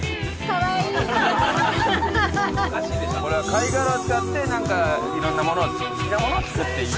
貝殻を使っていろんなものを好きなものを作っていい。